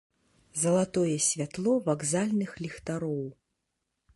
Залатое святло вакзальных ліхтароў.